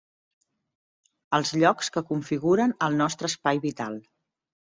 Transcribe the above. Els llocs que configuren el nostre espai vital.